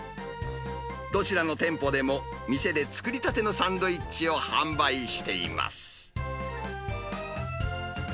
どちらの店舗でも、店で作りたてのサンドイッチを販売しています。